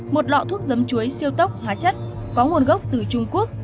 một lọ thuốc dấm chuối siêu tốc hóa chất có nguồn gốc từ trung quốc